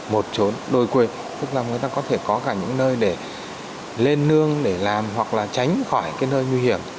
một trốn đôi quê tức là người ta có thể có cả những nơi để lên nương để làm hoặc là tránh khỏi cái nơi nguy hiểm